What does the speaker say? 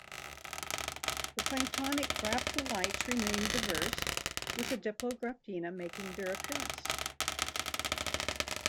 The planktonic graptolites remained diverse, with the Diplograptina making their appearance.